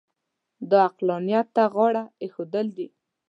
دا عقلانیت ته غاړه اېښودل دي.